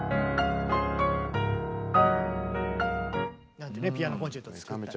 なんてねピアノコンチェルト作ったり。